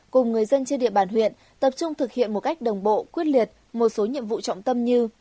cùng người dân trên địa bàn huyện tập trung thực hiện một cách đồng bộ quyết liệt một số nhiệm vụ trọng tâm như